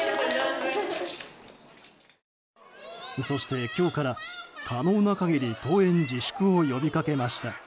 そして、今日から可能な限り登園自粛を呼びかけました。